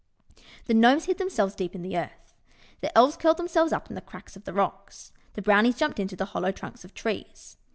The Gnomes hid themselves deep in the earth. The Elves curled themselves up in the cracks of the rocks. The Brownies jumped into the hollow trunks of trees.